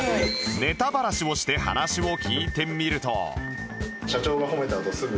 ネタバラシをして話を聞いてみると